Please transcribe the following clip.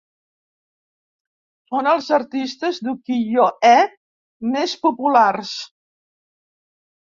Són els artistes d'ukiyo-e més populars.